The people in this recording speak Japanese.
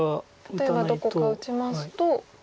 例えばどこか打ちますと。